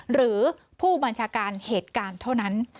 หรือผู้บัญชาการเหตุการณ์เท่านั้น